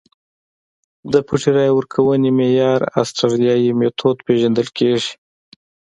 د پټې رایې ورکونې معیار اسټرالیايي میتود پېژندل کېږي.